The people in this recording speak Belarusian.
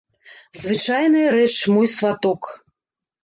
Звычайная рэч, мой сваток.